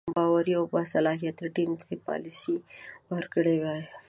باوري او باصلاحیته ټیم ته یې پالیسي ورکړې وای.